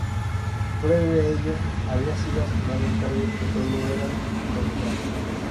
Previo a ello, había sido asignado en cargos que sólo eran nominales.